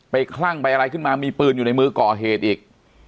คลั่งไปอะไรขึ้นมามีปืนอยู่ในมือก่อเหตุอีก